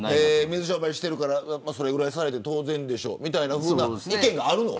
水商売しているからそれぐらいされて当然でしょという意見があるの。